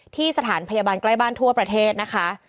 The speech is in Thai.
ที่สถานพยาบาลใกล้บ้านทั่วประเทศนะคะ